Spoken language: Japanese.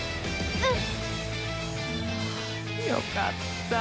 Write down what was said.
うん。